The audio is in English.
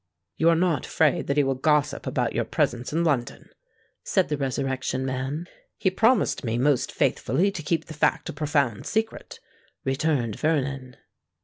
"You are not afraid that he will gossip about your presence in London?" said the Resurrection Man. "He promised me most faithfully to keep the fact a profound secret," returned Vernon.